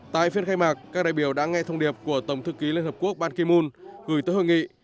tại phiên khai mạc các đại biểu đã nghe thông điệp của tổng thư ký liên hợp quốc ban kimon gửi tới hội nghị